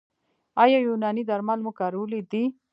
ایا یوناني درمل مو کارولي دي؟